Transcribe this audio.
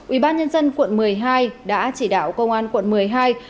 ubnd quận một mươi hai đã chỉ đạo công an quận một mươi hai phối hợp với các nhà trường